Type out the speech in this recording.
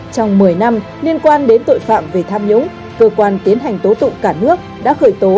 trong một mươi năm liên quan đến tội phạm về tham nhũng cơ quan tiến hành tố tụng cả nước đã khởi tố